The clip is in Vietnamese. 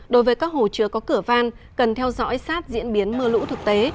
đối với các hồ chứa có cửa van cần theo dõi sát diễn biến mưa lũ thực tế